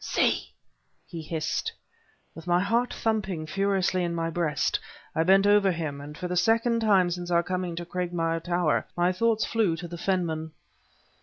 see!" he hissed. With my heart thumping furiously in my breast, I bent over him; and for the second time since our coming to Cragmire Tower, my thoughts flew to "The Fenman."